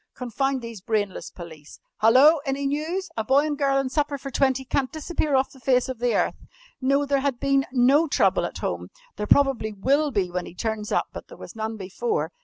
"Confound these brainless police! Hallo! Any news? A boy and girl and supper for twenty can't disappear off the face of the earth. No, there had been no trouble at home. There probably will be when he turns up, but there was none before!